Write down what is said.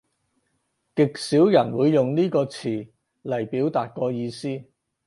極少人會用呢個詞嚟表達個意思